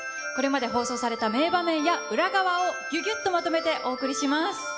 これまで放送された名場面や裏側をぎゅぎゅっとまとめてお送りします。